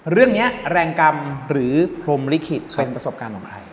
เรื่องนี้แรงกรรมหรือพรมลิขิตเป็นประสบการณ์ของใคร